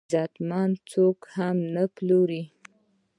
غیرتمند څوک هم نه پلوري